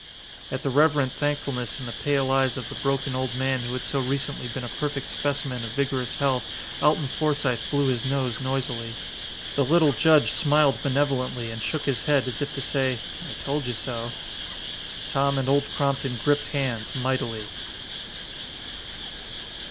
At the reverent thankfulness in the pale eyes of the broken old man who had so recently been a perfect specimen of vigorous youth, Alton Forsythe blew his nose noisily. The little judge smiled benevolently and shook his head as if to say, "I told you so." Tom and Old Crompton gripped hands mightily.